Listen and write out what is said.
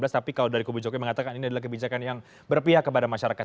tapi kalau dari kubu jokowi mengatakan ini adalah kebijakan yang berpihak kepada masyarakat